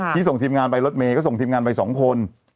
ที่ส่งทีมงานไปรถเมย์ก็ส่งทีมงานไป๒คน